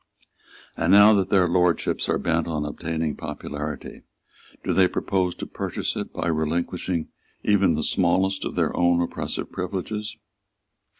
And now that their Lordships are bent on obtaining popularity, do they propose to purchase it by relinquishing even the smallest of their own oppressive privileges?